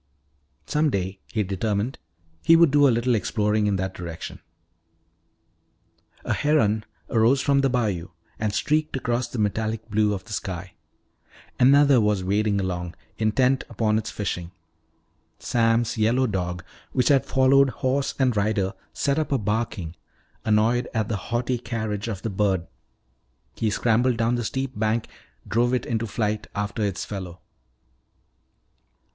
Some day, he determined, he would do a little exploring in that direction. A heron arose from the bayou and streaked across the metallic blue of the sky. Another was wading along, intent upon its fishing. Sam's yellow dog, which had followed horse and rider, set up a barking, annoyed at the haughty carriage of the bird. He scrambled down the steep bank, drove it into flight after its fellow.